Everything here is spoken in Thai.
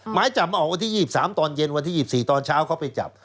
หมายจับมาออกวันที่๒๓ตอนเย็นวันที่๒๔ตอนเช้าเขาไปจับ